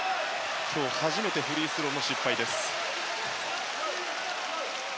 今日初めてフリースローの失敗です。